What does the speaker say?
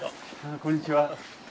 こんにちは。